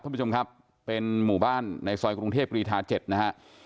คุณผู้ชมครับเป็นหมู่บ้านในซอยกรุงเทพกรีธา๗นะฮะ